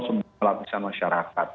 semua lapisan masyarakat